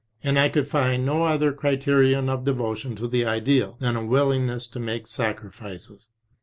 And I could find no other criterion of devotion to the Ideal than a willingness to make sacrifices.